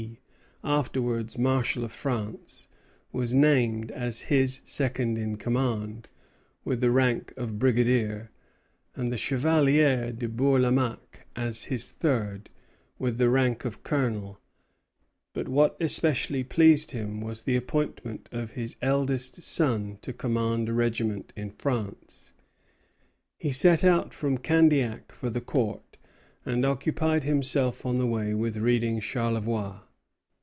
The Chevalier de Lévis, afterwards Marshal of France, was named as his second in command, with the rank of brigadier, and the Chevalier de Bourlamaque as his third, with the rank of colonel; but what especially pleased him was the appointment of his eldest son to command a regiment in France. He set out from Candiac for the Court, and occupied himself on the way with reading Charlevoix.